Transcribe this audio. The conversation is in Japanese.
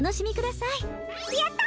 やった！